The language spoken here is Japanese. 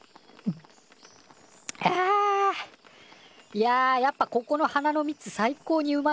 いややっぱここの花の蜜最高にうまいっすね。